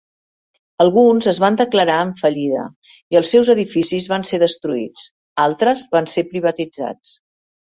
Alguns es van declarar en fallida i els seus edificis van ser destruïts; altres van ser privatitzats.